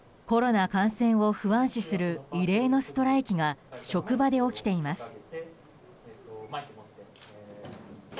コロナ感染を不安視する異例のストライキが職場で起きています。